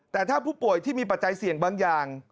แต่ถ้าผู้ป่วยที่มีปัจจัยเสี่ยงบางอย่าง